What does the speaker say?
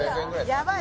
やばい